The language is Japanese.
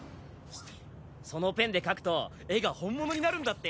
そのペンで描くと絵が本物になるんだって！